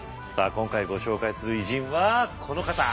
今回ご紹介する偉人はこの方。